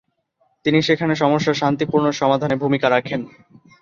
তিনি সেখানে সমস্যার শান্তিপূর্ণ সমাধানে ভূমিকা রাখেন।